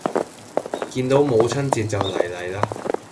見到母親節就嚟嚟啦